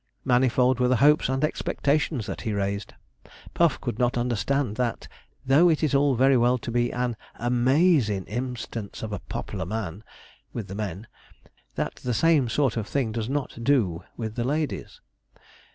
Manifold were the hopes and expectations that he raised. Puff could not understand that, though it is all very well to be 'an am_aa_zin' instance of a pop'lar man' with the men, that the same sort of thing does not do with the ladies.